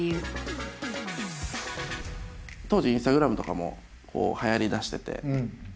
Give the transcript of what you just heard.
当時インスタグラムとかもはやりだしてて。